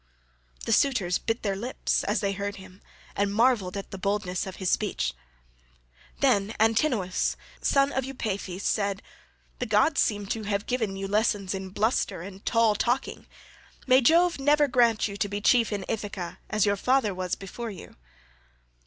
The suitors bit their lips as they heard him, and marvelled at the boldness of his speech. Then, Antinous, son of Eupeithes, said, "The gods seem to have given you lessons in bluster and tall talking; may Jove never grant you to be chief in Ithaca as your father was before you."